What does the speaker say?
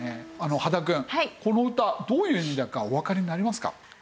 羽田くんこの歌どういう意味だかおわかりになりますか？